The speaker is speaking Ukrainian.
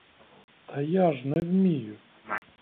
Та я ж не вмію.